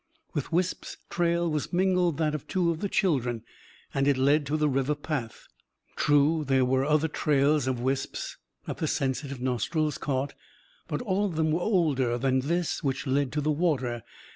With Wisp's trail was mingled that of two of the children. And it led to the river path. True, there were other trails of Wisp's, that the sensitive nostrils caught. But all of them were older than this which led to the water.